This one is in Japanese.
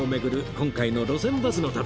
今回の『路線バスの旅』